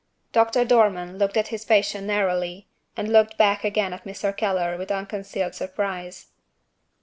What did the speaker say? Doctor Dormann looked at his patient narrowly, and looked back again at Mr. Keller with unconcealed surprise.